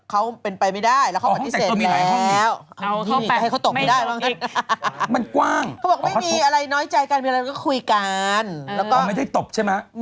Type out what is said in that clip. เขามันเป็นไปไม่ได้แล้วเขาก็บันที่เสจแล้ว